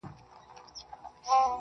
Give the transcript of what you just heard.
ماخو ستا غمونه ځوروي گلي